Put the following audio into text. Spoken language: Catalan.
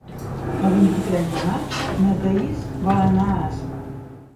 El vint-i-tres de maig na Thaís vol anar a Aspa.